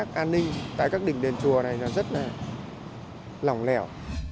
các đỉnh đền chùa này rất là lỏng lẻo